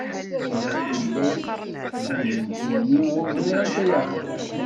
Snat tullas meḥḥnent-iyi, ur ẓriɣ anta ay axir.